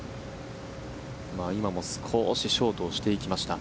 今の少しショートをしていきました。